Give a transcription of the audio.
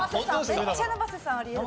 めっちゃ生瀬さんあり得る。